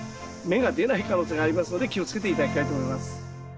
芽が出ない可能性がありますので気をつけて頂きたいと思います。